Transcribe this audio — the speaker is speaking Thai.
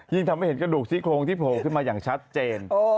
ทำให้เห็นกระดูกซี่โครงที่โผล่ขึ้นมาอย่างชัดเจน